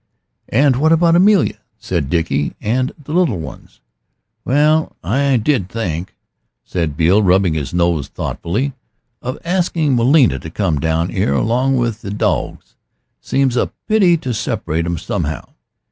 "And what about Amelia?" said Dickie, "and the little ones?" "Well, I did think," said Beale, rubbing his nose thoughtfully, "of asking 'Melia to come down 'ere along o' the dawgs. Seems a pity to separate 'em somehow.